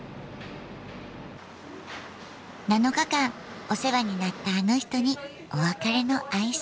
７日間お世話になったあの人にお別れの挨拶。